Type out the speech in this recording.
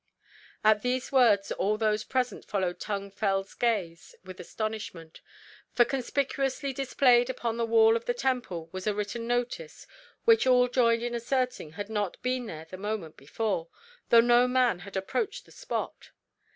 At these words all those present followed Tung Fel's gaze with astonishment, for conspicuously displayed upon the wall of the Temple was a written notice which all joined in asserting had not been there the moment before, though no man had approached the spot.